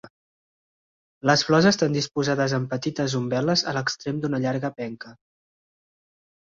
Les flors estan disposades en petites umbel·les a l'extrem d'una llarga penca.